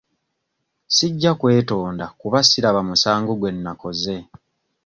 Sijja kwetonda kuba siraba musango gwe nnakoze.